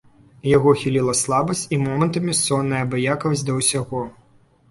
Яго хіліла слабасць і момантамі сонная абыякавасць да ўсяго.